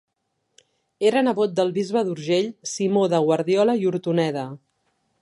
Era nebot del bisbe d'Urgell Simó de Guardiola i Hortoneda.